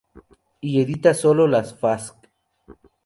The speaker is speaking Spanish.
Y edita solo los fasc.